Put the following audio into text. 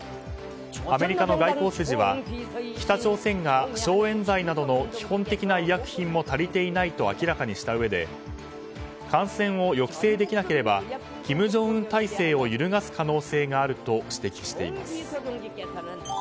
アメリカの外交筋は北朝鮮が消炎剤などの基本的な医薬品も足りていないと明らかにしたうえで感染を抑制できなければ金正恩体制を揺るがす可能性があると指摘しています。